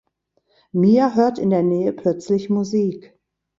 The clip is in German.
Mia hört in der Nähe plötzlich Musik.